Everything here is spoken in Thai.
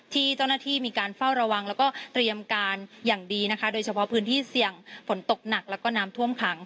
ที่เจ้าหน้าที่มีการเฝ้าระวังแล้วก็เตรียมการอย่างดีนะคะโดยเฉพาะพื้นที่เสี่ยงฝนตกหนักแล้วก็น้ำท่วมขัง